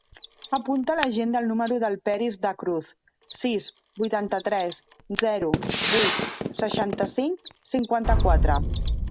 Apunta a l'agenda el número del Peris Da Cruz: sis, vuitanta-tres, zero, vuit, seixanta-cinc, cinquanta-quatre.